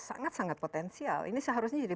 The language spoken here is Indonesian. sangat sangat potensial ini seharusnya jadi